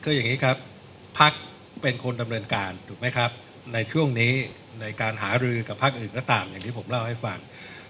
คืออย่างนี้ครับพักเป็นคนดำเนินการถูกไหมครับในช่วงนี้ในการหารือกับพักอื่นก็ตามอย่างที่ผมเล่าให้ฟัง